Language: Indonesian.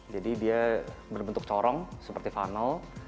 jadi dia berbentuk corong seperti funnel